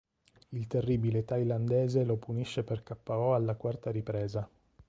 Il terribile thailandese lo punisce per Ko alla quarta ripresa.